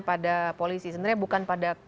pada polisi sebenarnya bukan pada